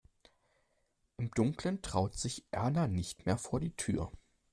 Im Dunkeln traut sich Erna nicht mehr vor die Tür.